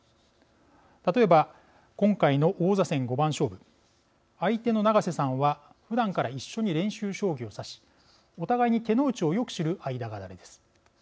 例えば、今回の王座戦五番勝負相手の永瀬さんはふだんから一緒に練習将棋を指しお互いに手の内をよく知る間柄です。